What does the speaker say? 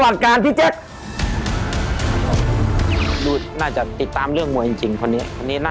เลขหนึ่งเลขหนึ่งนะ